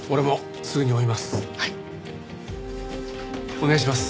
お願いします。